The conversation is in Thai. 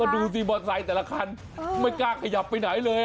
ก็ดูสิบอสไซค์แต่ละคันไม่กล้าขยับไปไหนเลยอ่ะ